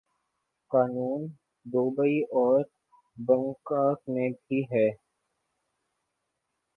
قانون دوبئی اور بنکاک میں بھی ہے۔